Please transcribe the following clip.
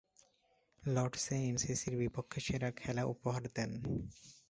লর্ডসে এমসিসি’র বিপক্ষে সেরা খেলা উপহার দেন।